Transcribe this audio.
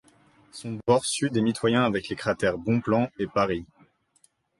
Son bord sud est mitoyen avec les cratères Bonpland et Parry.